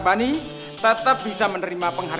bakal jadi ga boleh dikutuk dia